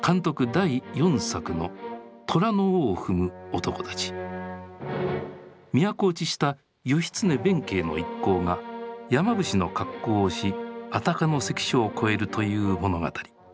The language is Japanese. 第４作の都落ちした義経弁慶の一行が山伏の格好をし安宅の関所を越えるという物語。